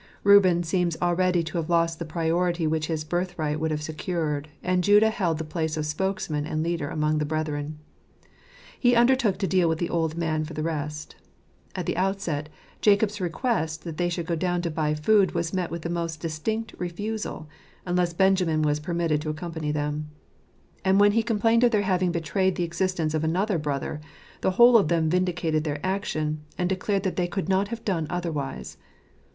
Reuben seems already to have lost the priority which his birthright would have secured, and Judah held the place of spokesman and leader amongst the brethren. He undertook to deal with the old man for the rest. At the outset, Jacob's request that they should go down to buy food was met with the most distinct refusal, unless Benjamin was permitted to accompany them. And when he com plained of their having betrayed the existence of another brother, the whole of them vindicated their action, and declared that they could not have done otherwise.